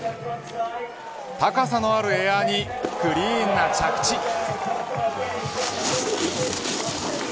高さのあるエアにクリーンな着地。